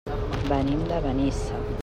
Venim de Benissa.